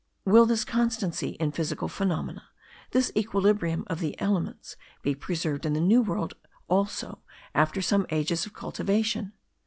Will this constancy in physical phenomena, this equilibrium of the elements, be preserved in the New World also after some ages of cultivation?